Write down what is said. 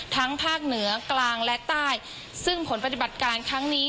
ภาคเหนือกลางและใต้ซึ่งผลปฏิบัติการครั้งนี้